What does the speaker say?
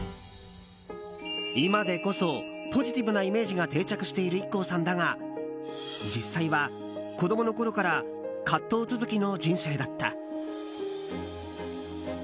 今でこそポジティブなイメージが定着しているＩＫＫＯさんだが実際は、子供のころから葛藤続きの人生だった。